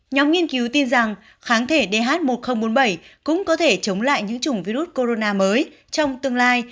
nhóm nghiên cứu tin rằng kháng thể dh một nghìn bốn mươi bảy cũng có thể chống lại những chủng virus corona mới trong tương lai